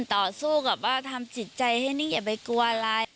ต่อสู้กับว่าทำจิตใจให้นิ่งอย่าไปกลัวอะไร